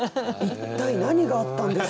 一体何があったんですか。